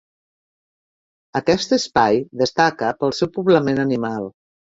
Aquest espai destaca pel seu poblament animal.